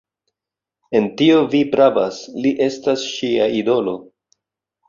En tio vi pravas; li estas ŝia idolo...